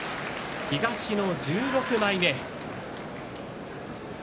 東の１６枚目です。